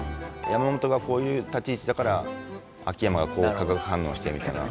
山本がこういう立ち位置だから秋山がこう化学反応してみたいな。